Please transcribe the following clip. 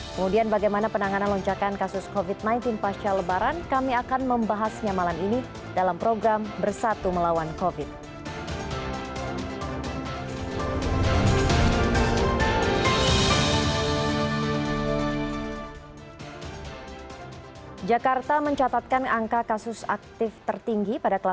kemudian bagaimana penanganan lonjakan kasus covid sembilan belas pasca lebaran kami akan membahas nyamalan ini dalam program bersatu melawan covid